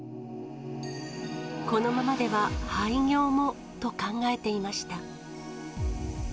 このままでは廃業もと考えていました。